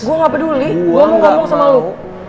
gua gak peduli gua mau ngomong sama lu